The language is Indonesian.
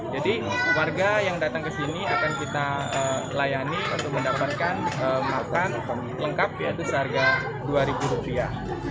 jadi warga yang datang ke sini akan kita layani untuk mendapatkan makan lengkap yaitu seharga dua rupiah